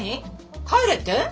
帰れって！？